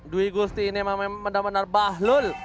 dewi gusti ini memang benar benar bahlul